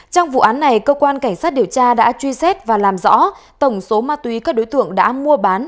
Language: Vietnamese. trong vụ án này cơ quan cảnh sát điều tra đã truy xét và làm rõ tổng số ma túy các đối tượng đã mua bán